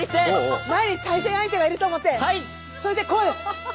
前に対戦相手がいると思ってそれで声を！